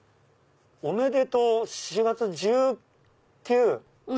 「おめでとう」４月１９。